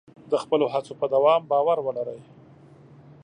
د خپلو هڅو په دوام باور ولرئ.